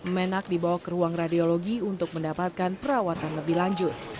menak dibawa ke ruang radiologi untuk mendapatkan perawatan lebih lanjut